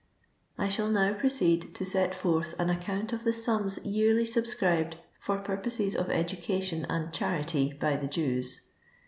I shall now proceed to set forth an account of the sums yearly subscribed for purposes of educa tion nnd charity by the Jews.